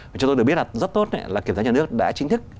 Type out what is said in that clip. và chúng tôi được biết là rất tốt là kiểm tra nhà nước đã chính thức